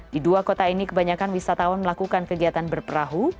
di dua kota ini kebanyakan wisatawan melakukan kegiatan berperahu